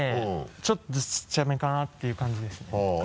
ちょっとちっちゃめかなっていう感じですね。